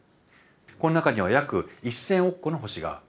この中には約１，０００億個の星がある。